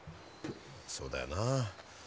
そうだよな。